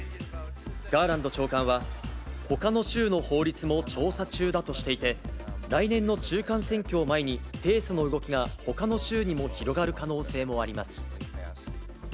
ガーランド長官は、ほかの州の法律も調査中だとしていて、来年の中間選挙を前に提訴の動きがほかの州にも広がる可能性もあります。